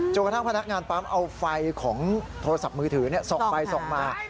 กระทั่งพนักงานปั๊มเอาไฟของโทรศัพท์มือถือส่องไปส่องมา